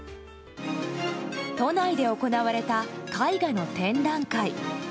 都内で行われた絵画の展覧会。